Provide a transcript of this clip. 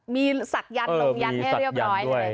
มีสักยันต์ลงยันต์ให้เรียบร้อย